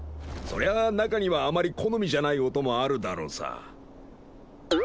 そりゃ中にはあまり好みじゃない音もあるだろうさ。